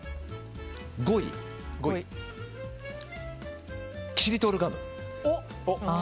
５位、キシリトールガム。